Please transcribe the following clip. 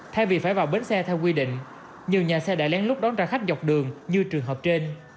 thay vì phải vào bến xe theo quy định nhiều nhà xe đã lén lút đón trả khách dọc đường như trường hợp trên